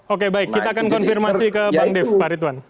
oke baik kita akan konfirmasi ke bang dev pak ridwan